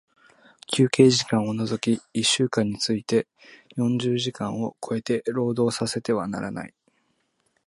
休憩時間を除き一週間について四十時間を超えて、労働させてはならない。